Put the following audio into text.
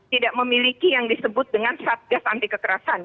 tidak memiliki yang disebut dengan satgas anti kekerasan